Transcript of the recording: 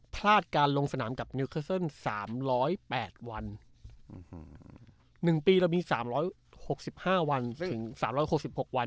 พลาดการลงสนามกับนิวคัสเซินสามร้อยแปดวันอืมหนึ่งปีเรามีสามร้อยหกสิบห้าวันถึงสามร้อยหกสิบหกวัน